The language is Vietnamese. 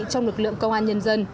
trong lực lượng công an nhân dân